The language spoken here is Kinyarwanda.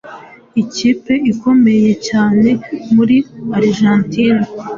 ikipe ikomeye cyane muri Argentine,